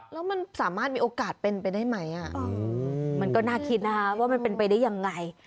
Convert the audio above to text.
แล้วมันสามารถมีโอกาสเป็นไปได้ไหมมันก็น่าคิดนะคะว่ามันเป็นไปได้ยังไง